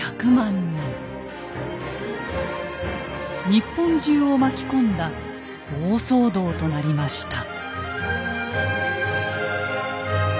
日本中を巻き込んだ大騒動となりました。